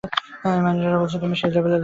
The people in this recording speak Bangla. মাইরি বলছি, তুমি তো সেই লেভেলের এক লিজেন্ড!